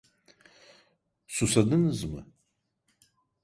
Susadınız mı?